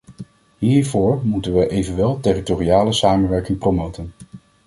Hiervoor moeten we evenwel territoriale samenwerking promoten.